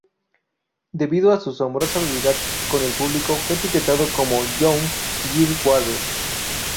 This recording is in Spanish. Debido a su asombrosa habilidad con el público, fue etiquetado como "Young Girl Warrior".